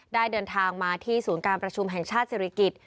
เดินทางมาที่ศูนย์การประชุมแห่งชาติศิริกิจ